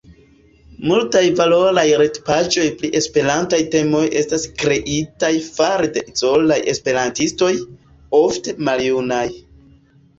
Multaj valoraj retpaĝoj pri esperantaj temoj estas kreitaj fare de izolaj esperantistoj, ofte maljunaj.